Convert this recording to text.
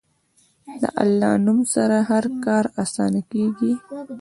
د الله نوم سره هر کار اسانه کېږي.